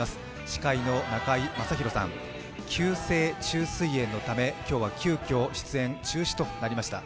司会の中居正広さん、急性虫垂炎のため、今日は急きょ出演中止となりました。